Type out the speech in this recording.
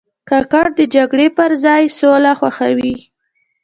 کاکړ د جګړې پر ځای سوله خوښوي.